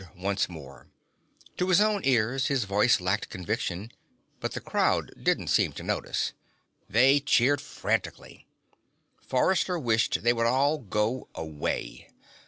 once more. To his own ears, his voice lacked conviction, but the crowd didn't seem to notice. The cheered frantically. Forrester wished they would all go away.